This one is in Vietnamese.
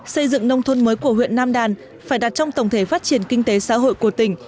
xây dựng nông thôn mới của huyện nam đàn phải đạt trong tổng thể phát triển kinh tế xã hội của tỉnh